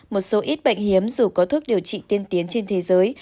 một số ít bệnh hiếm dù có thuốc điều trị tiên tiến trên thế giới